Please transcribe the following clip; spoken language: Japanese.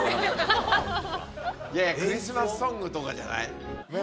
いやいや、クリスマスソングとかじゃない。